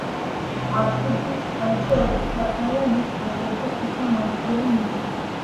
აფსიდის ღერძზე ერთი სარკმელია, მის გვერდებზე თითო მოზრდილი ნიში.